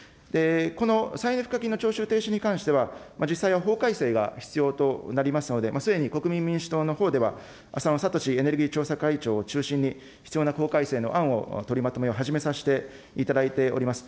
この再エネ賦課金の徴収停止に関しては実際は法改正が必要となりますので、すでに国民民主党のほうでは、浅野哲エネルギー調査会長を中心に、必要な法改正の案を取りまとめを始めさせていただいております。